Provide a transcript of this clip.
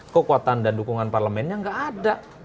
kekuatan dan dukungan parlemennya nggak ada